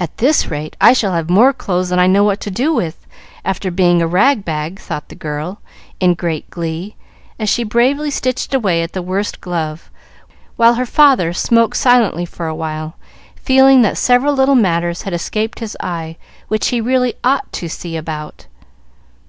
"At this rate, I shall have more clothes than I know what to do with, after being a rag bag," thought the girl, in great glee, as she bravely stitched away at the worst glove, while her father smoked silently for a while, feeling that several little matters had escaped his eye which he really ought to "see about."